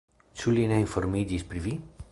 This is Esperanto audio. Ĉu li ne informiĝis pri vi?